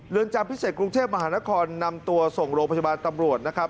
จำพิเศษกรุงเทพมหานครนำตัวส่งโรงพยาบาลตำรวจนะครับ